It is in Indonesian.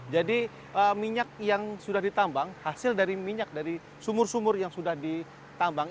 jadi minyak yang sudah ditambang hasil dari minyak dari sumur sumur yang sudah ditambang